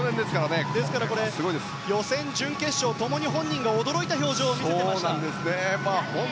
予選、準決勝共に本人が驚いた表情を見せていました。